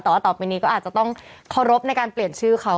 แต่ว่าต่อไปนี้ก็อาจจะต้องเคารพในการเปลี่ยนชื่อเขา